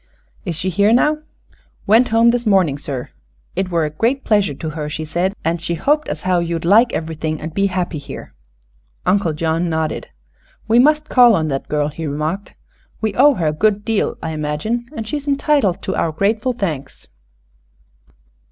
"Is she here now?" "Went home this mornin', sir. It were a great pleasure to her, she said, an' she hoped as how you'd like everything, an' be happy here." Undo John nodded. "We must call on that girl," he remarked. "We owe her a good deal, I imagine, and she's entitled to our grateful thanks."